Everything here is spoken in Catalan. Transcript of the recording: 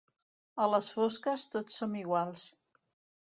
A les fosques tots som iguals.